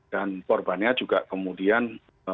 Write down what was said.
dan korbannya juga kemudian